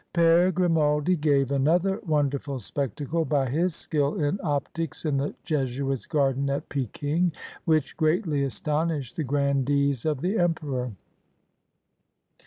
Pere Grimaldi gave another wonderful spectacle by his skill in optics in the Jesuits' Garden at Peking, which greatly astonished the grandees of the emperor.